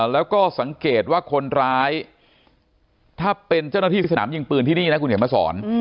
แล้วก็สังเกตว่าคนร้ายถ้าเป็นเจ้าหน้าที่สนามยิงปืนที่นี่นะคุณเขียนมาสอน